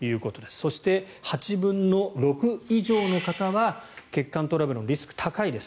そして、８分の６以上の方は血管トラブルのリスクが高いです。